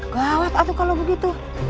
gawat atuk kalau begitu